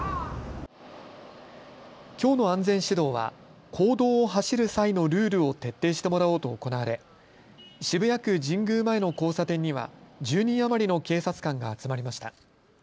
きょうの安全指導は公道を走る際のルールを徹底してもらおうと行われ渋谷区神宮前の交差点には１０人余りの警察官が集まりました。